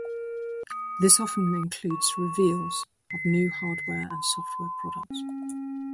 This often includes reveals of new hardware and software products.